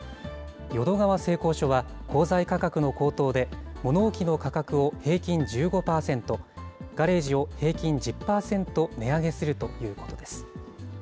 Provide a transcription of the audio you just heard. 淀川製鋼所は鋼材価格の高騰で、物置の価格を平均１５％、ガレージを平均１０％値上げするということです。